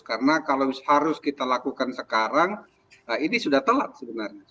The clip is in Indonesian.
karena kalau harus kita lakukan sekarang ini sudah telat sebenarnya